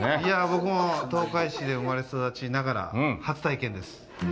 僕も東海市で生まれ育ちながら初体験です。